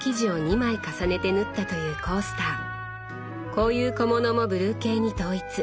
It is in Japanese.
こういう小物もブルー系に統一。